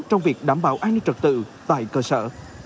trong việc đảm bảo an ninh trật tự tại cơ sở